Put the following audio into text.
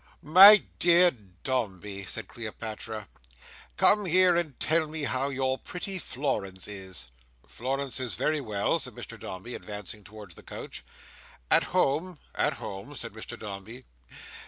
"My dear Dombey," said Cleopatra, "come here and tell me how your pretty Florence is." "Florence is very well," said Mr Dombey, advancing towards the couch. "At home?" "At home," said Mr Dombey.